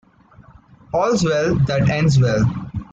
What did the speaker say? All's well that ends well.